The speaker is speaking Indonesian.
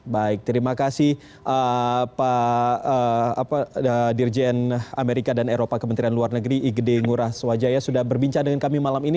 baik terima kasih pak dirjen amerika dan eropa kementerian luar negeri igede ngurah swajaya sudah berbincang dengan kami malam ini